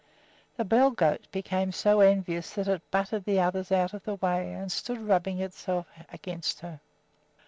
The bell goat became so envious that it butted the others out of the way and stood rubbing itself against her.